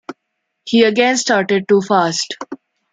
He again started too fast.